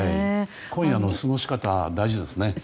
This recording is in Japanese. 今夜の過ごし方大事ですね。